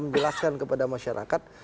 mengjelaskan kepada masyarakat